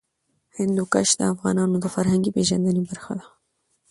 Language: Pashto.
هندوکش د افغانانو د فرهنګي پیژندنې برخه ده.